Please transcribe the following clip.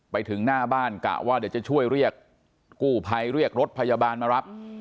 ไปถึงหน้าบ้านกะว่าเดี๋ยวจะช่วยเรียกกู้ภัยเรียกรถพยาบาลมารับ